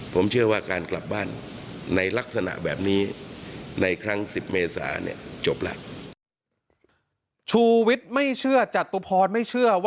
ผมเชื่อว่าการกลับบ้านในลักษณะแบบนี้ในครั้ง๑๐เมษาเนี่ยจบแล้ว